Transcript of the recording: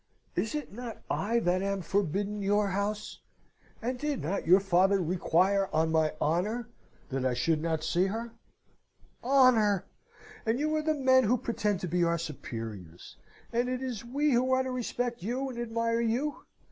Is it not I that am forbidden your house? and did not your father require, on my honour, that I should not see her?" "Honour! And you are the men who pretend to be our superiors; and it is we who are to respect you and admire you!